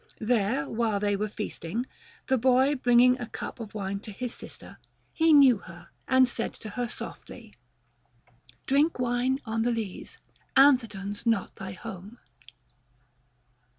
There while they were feasting, the boy bringing a cup of wine to his sister, he knew her, and said to her softly, Drink wine on th' lees, Anthedon's not thy home.